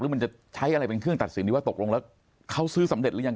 มันจะใช้อะไรเป็นเครื่องตัดสินนี้ว่าตกลงแล้วเขาซื้อสำเร็จหรือยัง